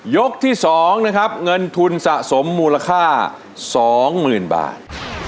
ยกที่สองนะครับเงินทุนสะสมมูลค่าสองหมื่นบาท